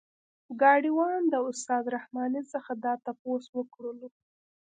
ګاډی وان د استاد رحماني څخه دا تپوس وکړلو.